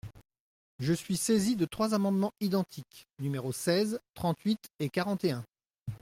Je suis saisi de trois amendements identiques, numéros seize, trente-huit et quarante et un.